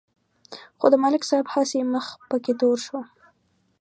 خو د ملک صاحب هسې مخ پکې تور شو.